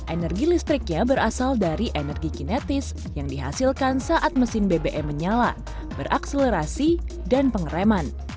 energi listriknya berasal dari energi kinetis yang dihasilkan saat mesin bbm menyala berakselerasi dan pengereman